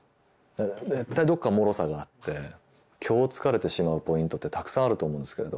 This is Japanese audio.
絶対どこかもろさがあって虚をつかれてしまうポイントってたくさんあると思うんですけれど。